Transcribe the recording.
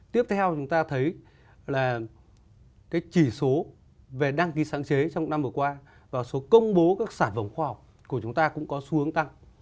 tiếp theo chúng ta thấy là cái chỉ số về đăng ký sáng chế trong năm vừa qua và số công bố các sản phẩm khoa học của chúng ta cũng có xu hướng tăng